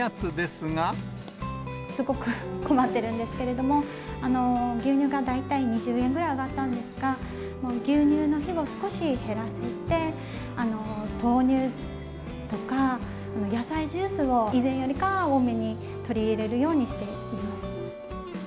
すごく困ってるんですけれども、牛乳が大体２０円くらい上がったんですが、もう牛乳の日を少し減らして、豆乳とか野菜ジュースを、以前よりかは多めに取り入れるようにしています。